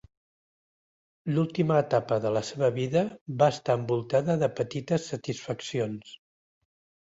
L'última etapa de la seva vida va estar envoltada de petites satisfaccions.